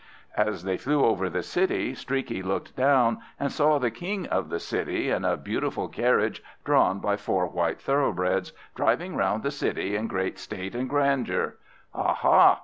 As they flew over the city Streaky looked down, and saw the king of the city, in a beautiful carriage drawn by four white thoroughbreds, driving round the city in great state and grandeur. "Aha!"